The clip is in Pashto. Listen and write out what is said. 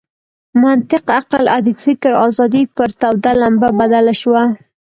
منطق، عقل او د فکر آزادي پر توده لمبه بدله شوه.